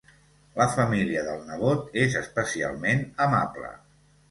La família del nebot és especialment amable.